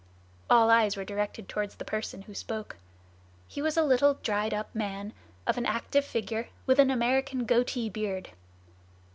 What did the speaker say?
All eyes were directed toward the person who spoke. He was a little dried up man, of an active figure, with an American "goatee" beard.